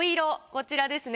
こちらですね。